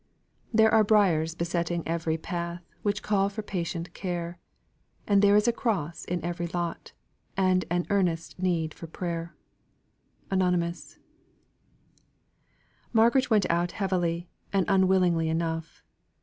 "There are briars besetting every path, Which call for patient care; There is a cross in every lot, And an earnest need for prayer." ANON. Margaret went out heavily and unwillingly enough.